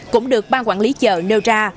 cũng được bang quản lý chợ nêu ra